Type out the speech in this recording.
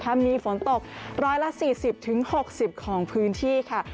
มีฝนตกร้อยละ๔๐๖๐ของพื้นที่ค่ะ